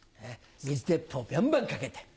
水鉄砲バンバンかけて。